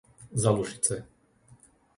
Zalužice